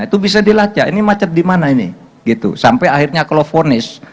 itu bisa dilacak ini macet di mana ini gitu sampai akhirnya kalau fonis